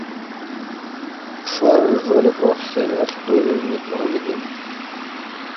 شوار گرولے فوقسے نہ ہلتور نیند اونگمی اِن